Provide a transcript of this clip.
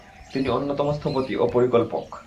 তিনি অন্যতম স্থপতি ও পরিকল্পক।